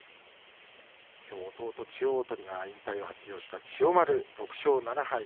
きょう弟の千代鳳が引退を発表した千代丸６勝７敗。